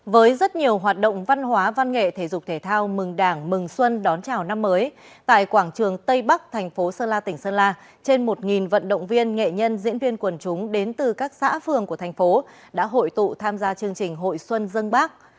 với rất nhiều hoạt động văn hóa văn nghệ thể dục thể thao mừng đảng mừng xuân đón chào năm mới tại quảng trường tây bắc thành phố sơn la tỉnh sơn la trên một vận động viên nghệ nhân diễn viên quần chúng đến từ các xã phường của thành phố đã hội tụ tham gia chương trình hội xuân dân bác